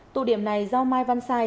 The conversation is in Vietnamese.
tù điểm này do mai văn sai